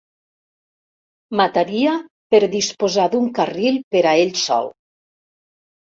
Mataria per disposar d'un carril per a ell sol.